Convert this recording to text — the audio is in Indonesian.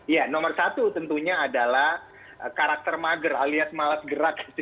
ya nomor satu tentunya adalah karakter mager alias malas gerak gitu